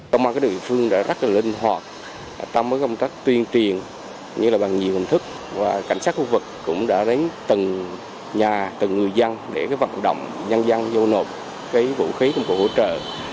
công an địa phương đã rất linh hoạt ta mới công tác tuyên truyền như là bằng nhiều hình thức và cảnh sát khu vực cũng đã lấy từng nhà từng người dân để vận động nhân dân dâu nộp vũ khí công cụ hỗ trợ